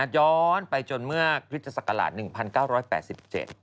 ย้อนไปจนเมื่อคริสตศักราช๑๙๘๗